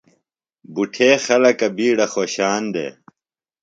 بُٹھے خلکہ بِیڈہ خوۡشان دےۡ ۔